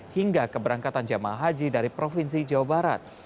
hingga keberangkatan jemaah haji dari provinsi jawa barat